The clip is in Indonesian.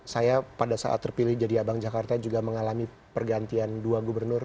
saya pada saat terpilih jadi abang jakarta juga mengalami pergantian dua gubernur